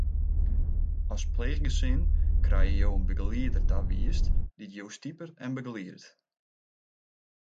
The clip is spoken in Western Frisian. As pleechgesin krije jo in begelieder tawiisd dy't jo stipet en begeliedt.